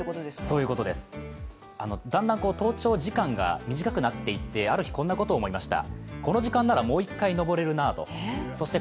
そういうことです、だんだん登頂時間が短くなっていって、ある日こんなことを思いました。